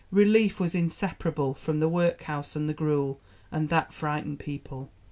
... Relief was inseparable from the workhouse and the gruel; and that frightened people."